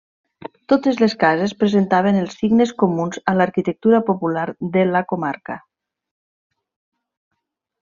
Totes les cases presentaven els signes comuns a l'arquitectura popular de la comarca.